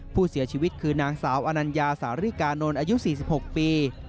ผู้เสียชีวิตคือนางสาวอนัญญาสาริกานนท์อายุ๔๖ปี